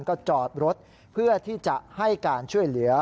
ก็จอดรถเพื่อที่จะให้การช่วยเหลือ